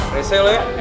resih lo ya